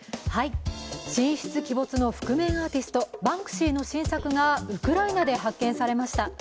神出鬼没の覆面アーティストバンクシーの新作がウクライナで発見されました。